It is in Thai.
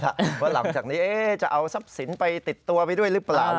ว่าหลังจากนี้จะเอาทรัพย์สินไปติดตัวไปด้วยหรือเปล่า